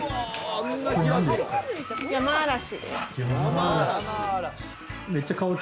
ヤマアラシです。